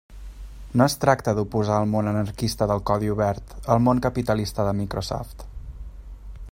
No es tracta d'oposar el món anarquista del codi obert al món capitalista de Microsoft.